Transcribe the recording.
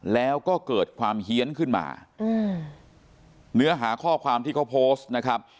แล้วก็เกิดความเฮียนขึ้นมาอืมเนื้อหาข้อความที่เขาโพสต์นะครับ